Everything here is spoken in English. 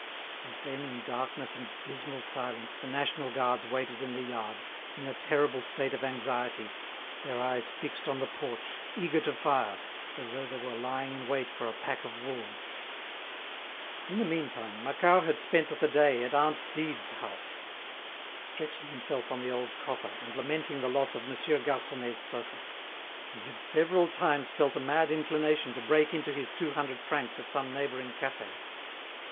And then, in darkness and dismal silence, the national guards waited in the yard, in a terrible state of anxiety, their eyes fixed on the porch, eager to fire, as though they were lying in wait for a pack of wolves. In the meantime, Macquart had spent the day at aunt Dide's house. Stretching himself on the old coffer, and lamenting the loss of Monsieur Garconnet's sofa, he had several times felt a mad inclination to break into his two hundred francs at some neighbouring cafe.